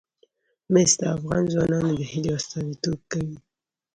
مس د افغان ځوانانو د هیلو استازیتوب کوي.